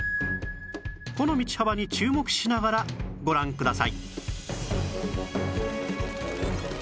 この道幅に注目しながらご覧ください